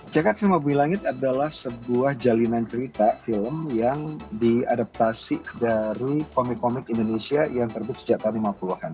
cekat semabui langit adalah sebuah jalinan cerita film yang diadaptasi dari komik komik indonesia yang terbit sejak tahun lima puluh an